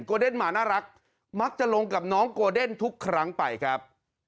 เดนหมาน่ารักมักจะลงกับน้องโกเดนทุกครั้งไปครับ